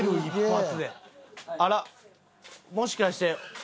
あらもしかして。